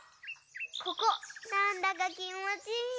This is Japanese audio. ここなんだかきもちいいよ。